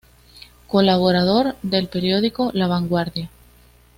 Colaborador del periódico "La Vanguardia".